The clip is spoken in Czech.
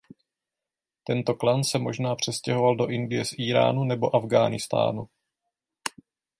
Tento klan se možná přestěhoval do Indie z Íránu nebo Afghánistánu.